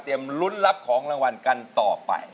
เตรียมรุ้นรับของรางวัลกันต่อไป